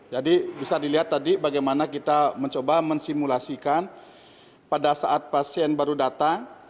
jadi bisa dilihat tadi bagaimana kita mencoba mensimulasikan pada saat pasien baru datang